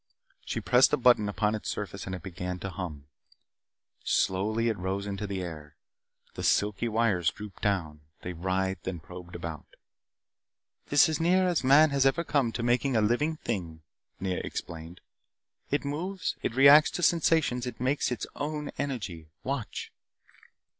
She pressed a button upon its surface. It began to hum. Slowly it rose into the air. The silky wires drooped down. They writhed and probed about. "This is as near as man has ever come to making a living thing," Nea explained. "It moves. It reacts to sensations. It makes its own energy. Watch!"